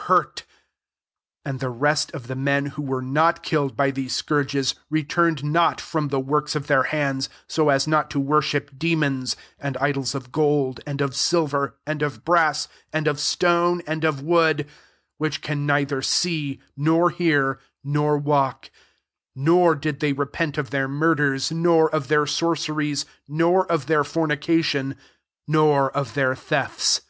XL hurt 20 And the rest of the men, who were not killed by these scourges, returned not from the works of their hands; so as not to worship demons^ and idols of gold, and of silver, and of brass, and of stone, and of wood, which can neither see, nor hear, nor walk : 21 nor did they repent of their murders, nor of their sorceries, nor of their fornication, nor of their thefts.